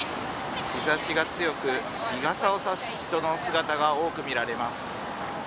日ざしが強く日傘を差す人の姿が多く見られます。